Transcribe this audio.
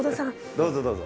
どうぞどうぞ。